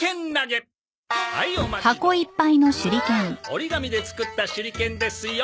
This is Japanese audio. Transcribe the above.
折り紙で作った手裏剣ですよ。